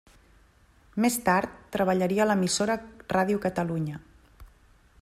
Més tard treballaria a l'emissora Ràdio Catalunya.